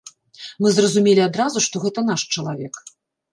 Мы зразумелі адразу, што гэта наш чалавек.